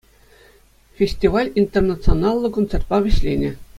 Фестиваль интернационаллӑ концертпа вӗҫленӗ.